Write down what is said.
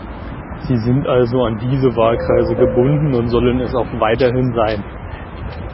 Sie sind also an diese Wahlkreise gebunden und sollen es auch weiterhin sein.